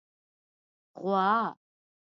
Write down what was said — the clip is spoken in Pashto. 🐄 غوا